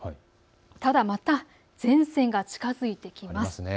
ただ前線がまた近づいてきます。